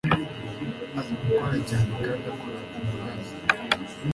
azi gukora cyane kandi akorana umuraza